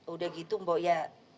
udah gitu mbok ya